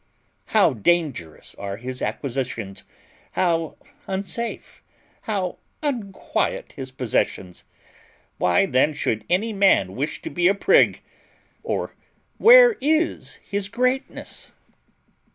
How dangerous are his acquisitions! how unsafe, how unquiet his possessions! Why then should any man wish to be a prig, or where is his greatness?